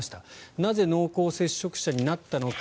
なぜ、濃厚接触者になったのか。